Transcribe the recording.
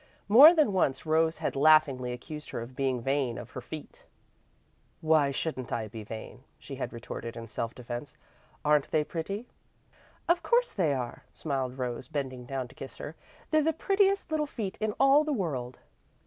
More than once Rose had laughingly accused her of being vain of her feet. "Why shouldn't I be vain?" she had retorted, in self defence. "Aren't they pretty?" "Of course they are," smiled Rose, bending down to kiss her. "They're the prettiest little feet in all the world."